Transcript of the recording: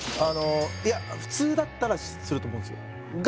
いや普通だったらすると思うんですよが